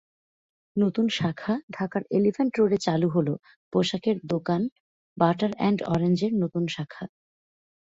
নতুন শাখাঢাকার এলিফ্যান্ট রোডে চালু হলো পোশাকের দোকান বাটার অ্যান্ড অরেঞ্জের নতুন শাখা।